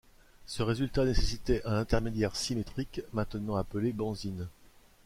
Ce résultat nécessitait un intermédiaire symétrique — maintenant appelé benzyne.